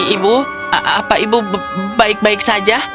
ibu apa ibu baik baik saja